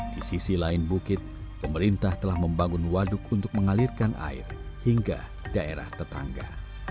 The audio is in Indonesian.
di sisi lain bukit pemerintah telah membangun waduk untuk mengalirkan air hingga daerah tetangga